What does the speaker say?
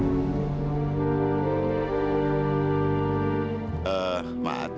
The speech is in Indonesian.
sampai jumpa di video selanjutnya